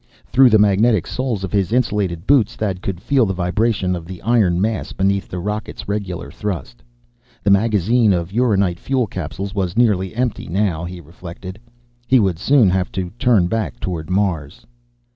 Through the magnetic soles of his insulated boots, Thad could feel the vibration of the iron mass, beneath the rocket's regular thrust. The magazine of uranite fuel capsules was nearly empty, now, he reflected. He would soon have to turn back toward Mars.